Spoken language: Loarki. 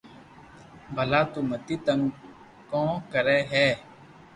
ڀلا تو مني تنگ ڪو ڪري ھيي